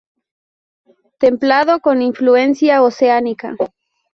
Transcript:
Templado, con influencia oceánica.